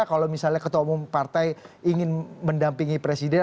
kalau misalnya ketua umum partai ingin mendampingi presiden